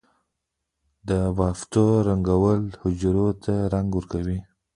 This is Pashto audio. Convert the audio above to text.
د بافتو رنگول حجرو ته رنګ ورکوي.